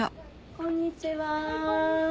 こんにちは。